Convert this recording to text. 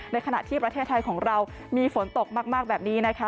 ขณะที่ประเทศไทยของเรามีฝนตกมากแบบนี้นะคะ